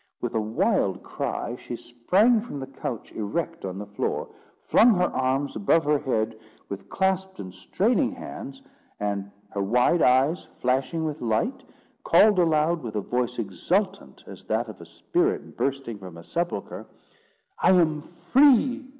With a wild cry, she sprang from the couch erect on the floor, flung her arms above her head, with clasped and straining hands, and, her wide eyes flashing with light, called aloud, with a voice exultant as that of a spirit bursting from a sepulchre, "I am free!